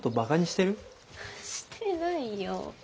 してないよ。